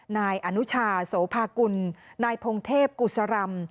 นายอนุชาโสภากุลนายพงเทพกุศรำ